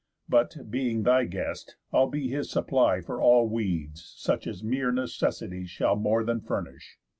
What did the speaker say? But, being thy guest, I'll be his supply For all weeds, such as mere necessity Shall more than furnish.